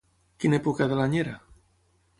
Quina època de l'any era?